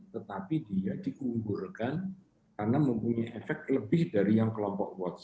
tetapi dia dikuburkan karena mempunyai efek lebih dari yang kelompok watch